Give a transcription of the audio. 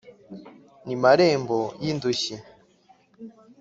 ni marembo y' indushyi;